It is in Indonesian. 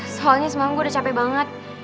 soalnya semalam gue udah capek banget